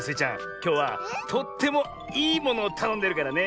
きょうはとってもいいものをたのんでるからね！